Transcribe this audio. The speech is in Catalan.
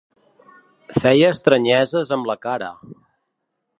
Feia estranyeses amb la cara.